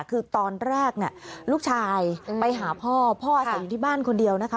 คือตอนแรกลูกชายไปหาพ่อพ่ออยู่ที่บ้านคนเดียวนะคะ